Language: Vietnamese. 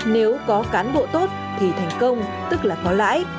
nếu có cán bộ tốt thì thành công tức là có lãi